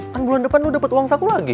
kan bulan depan lo dapet uang saku lagi